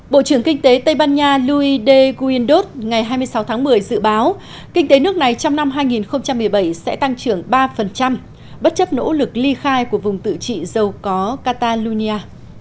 bộ trưởng kinh tế tây ban nha louide guindod ngày hai mươi sáu tháng một mươi dự báo kinh tế nước này trong năm hai nghìn một mươi bảy sẽ tăng trưởng ba bất chấp nỗ lực ly khai của vùng tự trị giàu có catalonia